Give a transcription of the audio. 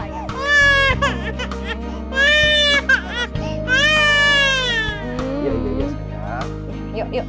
yuk yuk yuk